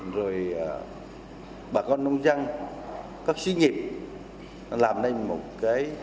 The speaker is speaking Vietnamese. rồi bà con nông dân các sĩ nghiệp làm nên một cái